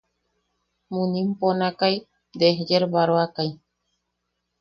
Munim ponakai desyerbaroakai.